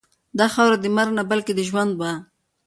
دا خاوره د مرګ نه بلکې د ژوند وه.